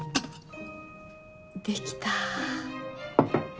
できた。